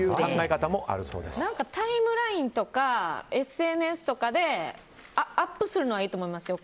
タイムラインとかＳＮＳとかでアップするのはいいと思いますよ。